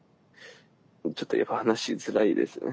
ちょっとやっぱ話しづらいですね。